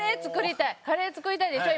カレー作りたいでしょ？